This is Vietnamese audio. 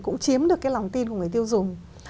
cũng chiếm được cái lòng tin của người tiêu dùng